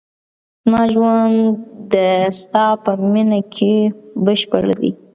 زما ژوند د ستا په مینه کې بشپړ دی.